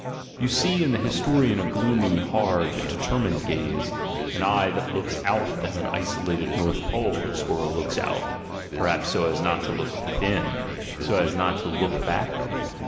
You see in the his Drian a gloomy, hard, but determined gaze, — an eye that ioks out as an isolated North Pole explorer looks out perhaps so as not to look within, so as not to look back?